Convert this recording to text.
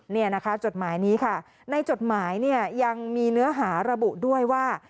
นี่นะคะจดหมายนี้ค่ะในจดหมายเนี่ยยังมีเนื้อหาระบุด้วยว่า